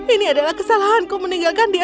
ini adalah kesalahanku meninggalkan dia